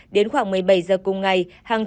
đến khoảng một mươi bảy giờ cùng ngày